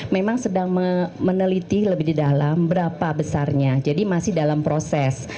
memang sedang meneliti lebih di dalam berapa besarnya jadi masih dalam proses